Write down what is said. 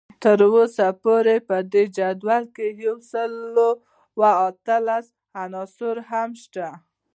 تر اوسه پورې په دې جدول کې یو سل او اتلس عناصر شته